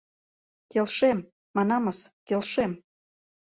Келшем, манамыс... келшем...